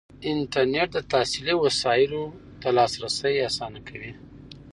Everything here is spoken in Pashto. انټرنیټ د تحصیلي وسایلو ته لاسرسی اسانه کوي.